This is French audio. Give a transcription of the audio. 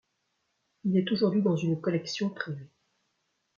Il est aujourd'hui dans une collection privée.